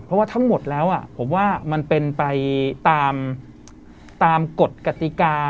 เพราะว่าทั้งหมดแล้วผมว่ามันเป็นไปตามกฎกติกา